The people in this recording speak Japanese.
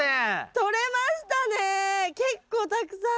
とれましたね結構たくさん。